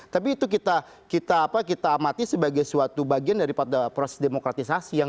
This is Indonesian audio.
tapi itu kita amati sebagai suatu bagian daripada proses demokratisasi